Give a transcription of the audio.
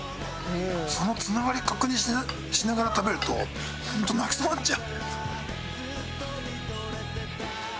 そのつながり確認しながら食べるとホント泣きそうになっちゃう。